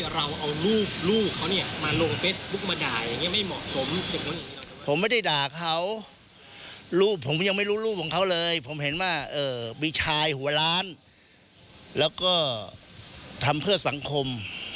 เรื่องการที่เราเอารูปเขาเนี่ยมาลงเฟสบุ๊กมาด่ายไม่เหมาะสม